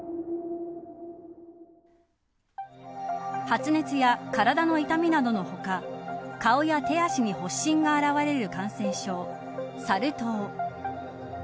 発熱や体の痛みなどの他顔や手足に発疹が現れる感染症サル痘。